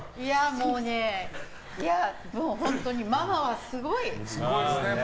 もうね、本当にママはすごい！